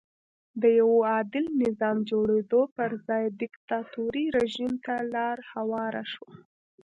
د یوه عادل نظام جوړېدو پر ځای دیکتاتوري رژیم ته لار هواره شوه.